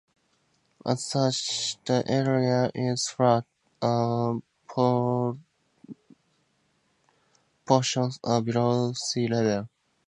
As such, the area is flat, and portions are below sea level.